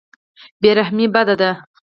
بې رحمي بده ده.